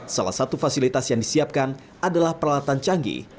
salah satu fasilitas yang disiapkan adalah peralatan canggih